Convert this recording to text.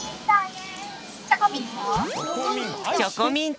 ・チョコミント？